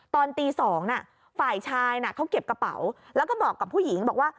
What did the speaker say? ตอนตี๒ฝ่ายชายเขาเก็บกระเป๋าแล้วก็บอกกับผู้หญิงบอกว่า